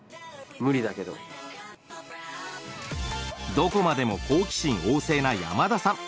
どこまでも好奇心旺盛な山田さん。